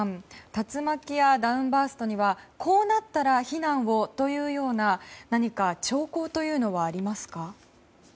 竜巻やダウンバーストにはこうなったら避難をというような何か兆候というのはありますか。